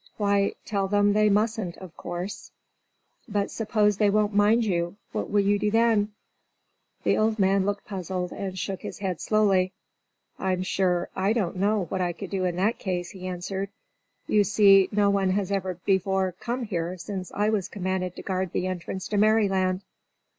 "Why, tell them they mustn't, of course." "But suppose they won't mind you, what will you do then?" The old man looked puzzled, and shook his head slowly. "I'm sure I don't know what I could do in that case," he answered. "You see, no one has ever before come here since I was commanded to guard the entrance to Merryland."